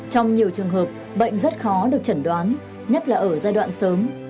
trong nhiều trường hợp bệnh rất khó được chẩn đoán nhất là ở giai đoạn sớm